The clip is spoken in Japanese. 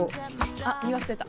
あっ言い忘れた。